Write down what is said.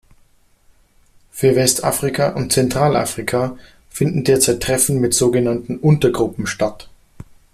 Für Westafrika und Zentralafrika finden derzeit Treffen mit so genannten Untergruppen statt.